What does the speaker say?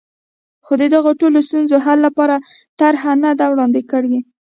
خو د دغو ټولنو ستونزو حل لپاره طرحه نه ده وړاندې کړې.